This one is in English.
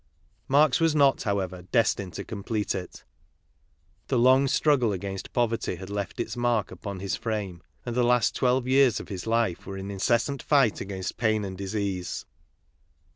Marx, was not, however, destined to complete it. The long struggle against poverty had left its mark upon his frame, and the last twelve years of his life were an incessant fight against pain and disease.